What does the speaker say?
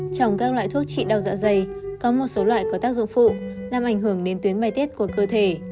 trong các loại thuốc trị đau dạ dày có một số loại có tác dụng phụ làm ảnh hưởng đến tuyến may tiết của cơ thể